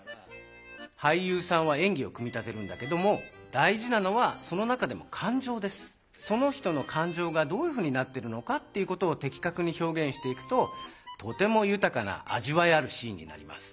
俳優さんは演技を組み立てるんだけどもその人の感情がどういうふうになってるのかっていうことをてきかくに表現していくととてもゆたかなあじわいあるシーンになります。